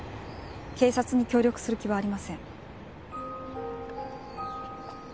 警察に協力する気はありません。